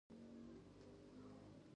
انځر د زابل نښه ده.